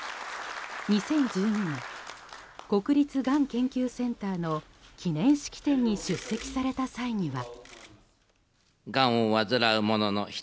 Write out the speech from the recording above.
２０１２年国立がん研究センターの記念式典に出席された際には。